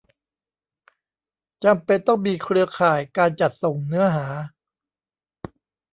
จำเป็นต้องมีเครือข่ายการจัดส่งเนื้อหา